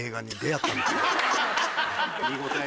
見応えが。